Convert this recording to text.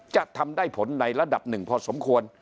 จะทำได้ผลในระดับหนึ่งพอสมควร